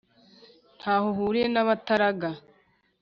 Ntaho uhuriye n' abataraga."